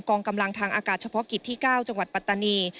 องกำลังทางอากาศเฉพาะกิจที่๙จังหวัดปัตตานี